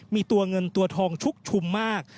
มีตัวเงินตัวทองชุกชุมมาก